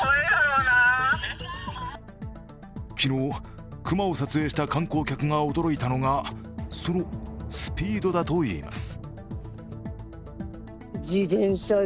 昨日、熊を撮影した観光客が驚いたのがそのスピードだといいます。